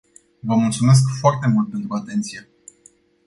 Vă mulțumesc foarte mult pentru atenție.